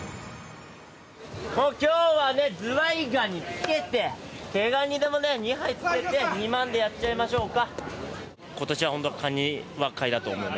今日はズワイガニつけて毛ガニも２杯つけて２万でやっちゃいましょうか。